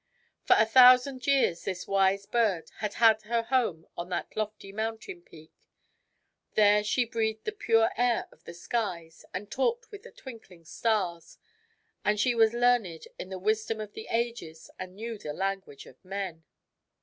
For a thousand years this wise bird had had her home on that lofty mountain peak. There she breathed the pure air of the skies and talked with the twinkling stars. And she was learned in the wisdom of the ages and knew the language of men.